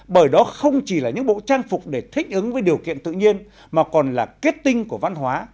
bởi đó không chỉ là những bộ trang phục để thích ứng với điều kiện tự nhiên mà còn là kết tinh của văn hóa